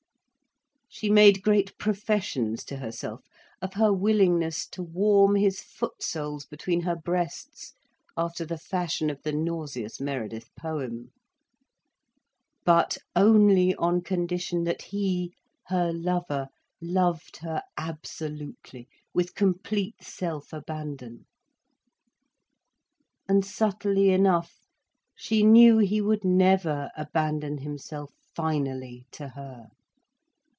She made great professions, to herself, of her willingness to warm his foot soles between her breasts, after the fashion of the nauseous Meredith poem. But only on condition that he, her lover, loved her absolutely, with complete self abandon. And subtly enough, she knew he would never abandon himself finally to her.